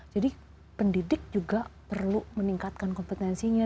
pendidik juga perlu meningkatkan kompetensinya